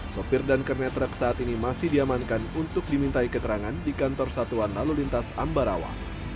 sopir dan kernetrek saat ini masih diamankan untuk dimintai keterangan di kantor satuan lalu lintas ambarawa